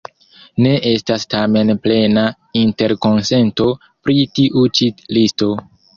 Ne estas tamen plena interkonsento pri tiu ĉi listo.